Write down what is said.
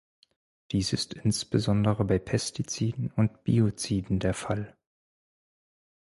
Dies ist insbesondere bei Pestiziden und Bioziden der Fall.